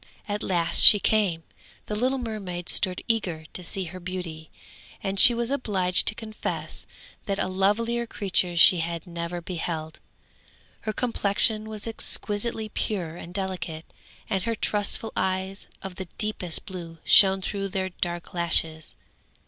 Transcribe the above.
At last she came. The little mermaid stood eager to see her beauty, and she was obliged to confess that a lovelier creature she had never beheld. Her complexion was exquisitely pure and delicate, and her trustful eyes of the deepest blue shone through their dark lashes.